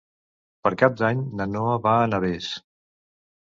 Per Cap d'Any na Noa va a Navès.